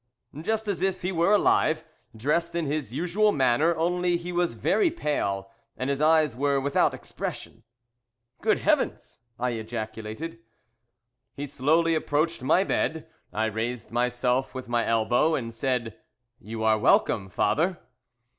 "Just as if he were alive dressed in his usual manner only he was very pale, and his eyes were without expression." "Good heavens!" I ejaculated. "He slowly approached my bed. I raised myself with my elbow, and said, 'You are welcome, father.'